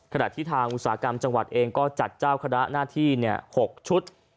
ขณะที่ทางอุตสาหกรรมจังหวัดเองก็จัดเจ้าคณะหน้าที่๖ชุด